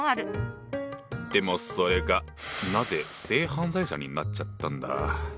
でもそれがなぜ「性犯罪者」になっちゃったんだ？